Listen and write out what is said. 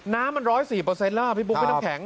น้ำมันร้อยสี่เปอร์เซตแล้วพี่ปุ๊บไม่ต้องแข็ง